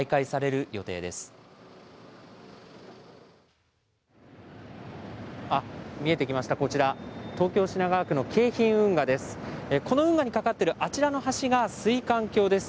あっ、見えてきました、こちら、東京・品川区の京浜運河です。